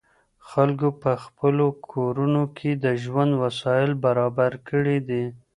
خلګو په خپلو کورونو کي د ژوند وسايل برابر کړي دي.